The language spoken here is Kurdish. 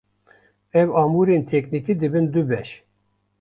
Ev amûrên teknîkî dibin du beş.